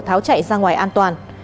tháo chạy ra ngoài an toàn